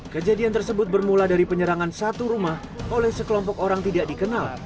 kejadian tersebut bermula dari penyerangan satu rumah oleh sekelompok orang tidak dikenal